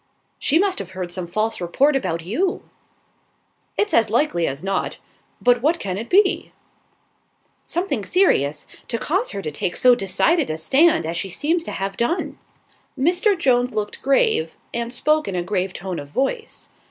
"She must have heard some false report about you." "It's as likely as not; but what can it be?" "Something serious, to cause her to take so decided a stand as she seems to have done." Mr. Jones looked grave, and spoke in a grave tone of voice.